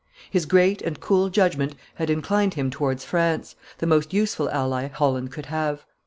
His great and cool judgment had inclined him towards France, the most useful ally Holland could have.